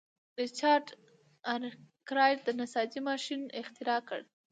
ریچارډ ارکرایټ د نساجۍ ماشین اختراع کړ.